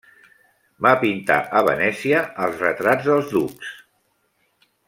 Va pintar a Venècia els retrats dels duxs.